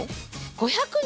５００人？